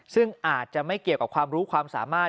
ซึ่งอาจจะไม่เกี่ยวกับความรู้ความสามารถ